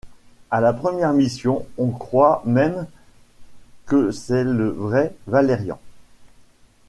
A la première mission, on croit même que c'est le vrai Valerian.